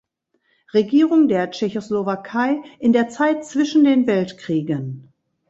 Regierung der Tschechoslowakei in der Zeit zwischen den Weltkriegen.